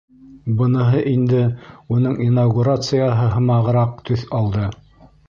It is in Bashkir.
Быныһы инде уның инаугурацияһы һымағыраҡ төҫ алды.